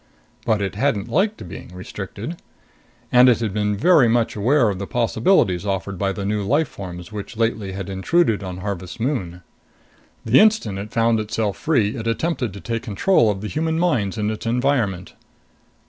But it hadn't liked being restricted. And it had been very much aware of the possibilities offered by the new life forms which lately had intruded on Harvest Moon. The instant it found itself free, it attempted to take control of the human minds in its environment.